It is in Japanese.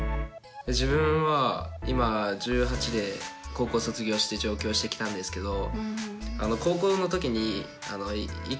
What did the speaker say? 自分は今１８で高校を卒業して上京してきたんですけど。